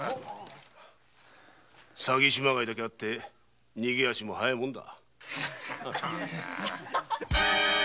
詐欺師まがいだけあって逃げ足も早いもんだ。